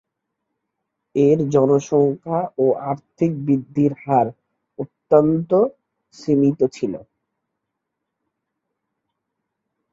এর জনসংখ্যা ও আর্থিক বৃদ্ধির হার অত্যন্ত সীমিত ছিল।